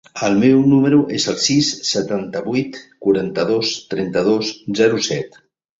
El meu número es el sis, setanta-vuit, quaranta-dos, trenta-dos, zero, set.